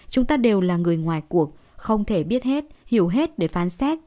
chúng ta đều là người ngoài cuộc không thể biết hết hiểu hết để phán xét